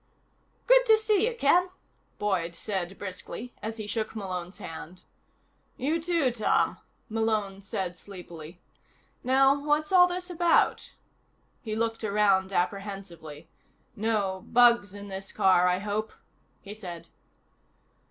"Good to see you, Ken," Boyd said briskly, as he shook Malone's hand. "You, too, Tom," Malone said sleepily. "Now what's all this about?" He looked around apprehensively. "No bugs in this car, I hope?" he said.